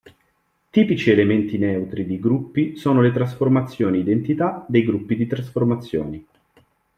Tipici elementi neutri di gruppi sono le trasformazioni identità dei gruppi di trasformazioni.